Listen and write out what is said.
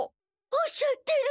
おっしゃってる！